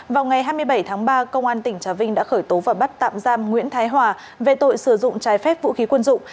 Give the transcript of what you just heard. vào ngày hai mươi bảy tháng ba công an tỉnh trà vinh đã khởi tố và bắt tạm giam nguyễn thái hòa về tội sử dụng trái phép vũ khí quân dụng